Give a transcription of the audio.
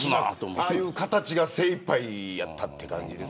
ああいう形が精いっぱいやったって感じです。